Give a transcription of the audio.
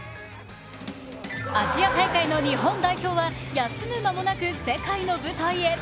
アジア大会の日本代表は休む間もなく世界の舞台へ。